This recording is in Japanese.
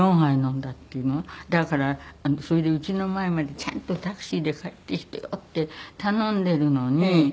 だからそれで「家の前までちゃんとタクシーで帰ってきてよ」って頼んでるのに。